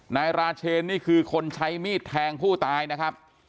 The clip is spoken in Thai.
นายราเชนนี่คือคนใช้มีดแทงผู้ตายนะครับ